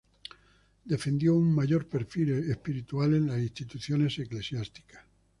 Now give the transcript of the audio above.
Defendió un mayor perfil espiritual en las instituciones eclesiásticas.